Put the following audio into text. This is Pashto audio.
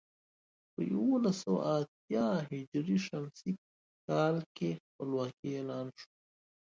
په یولس سوه اتيا ه ش کال کې خپلواکي اعلان شوه.